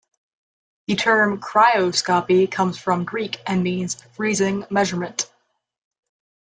The term "cryoscopy" comes from Greek and means "freezing measurement.